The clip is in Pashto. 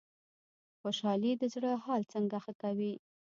خوشحالي د زړه حال څنګه ښه کوي؟